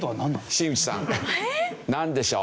新内さんなんでしょう？